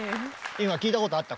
今聞いたことあった？